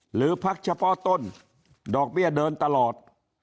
หรือพักเฉพาะต้นดอกเบี้ยเดินตลอด